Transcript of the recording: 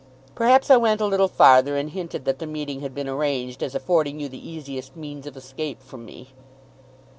Perhaps I went a little farther and hinted that the meeting had been arranged as affording you the easiest means of escape from me."